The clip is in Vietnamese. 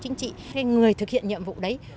chính trị người thực hiện nhiệm vụ đấy